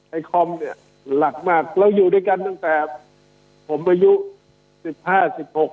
ไอคอมเนี่ยรักมากเราอยู่ด้วยกันตั้งแต่ครับผมอายุสิบห้าสิบหก